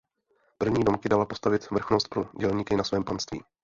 První domky dala postavit vrchnost pro dělníky na svém panství.